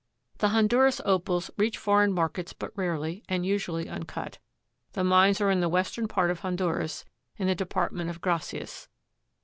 The Honduras Opals reach foreign markets but rarely and usually uncut. The mines are in the western part of Honduras, in the Department of Gracias.